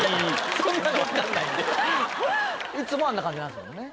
そんなの分かんないんでいつもあんな感じなんすもんね